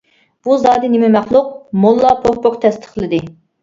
بۇ زادى نېمە مەخلۇق؟ موللا پوك-پوك تەستىقلىدى.